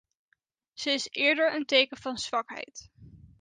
Ze is eerder een teken van zwakheid.